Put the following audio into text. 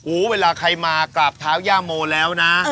เวลาใครมากราบเท้าย่าโมแล้วนะ